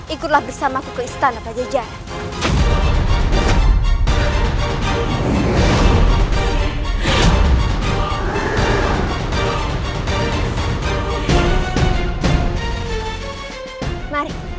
ikutlah bersamaku ke istana pada jalan